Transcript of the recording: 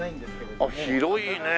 あっ広いねえ！